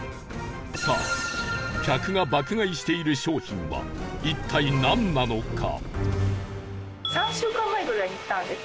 さあ客が爆買いしている商品は一体なんなのか？